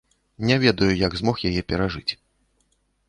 Не ведаю, як змог яе перажыць.